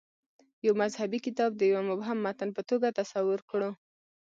یو مذهبي کتاب د یوه مبهم متن په توګه تصور کړو.